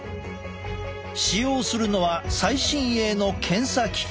使用するのは最新鋭の検査機器。